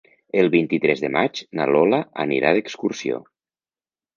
El vint-i-tres de maig na Lola anirà d'excursió.